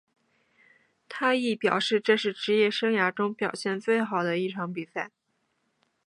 他亦表示这是职业生涯中表现最好的一场比赛。